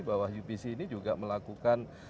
bahwa upc ini juga melakukan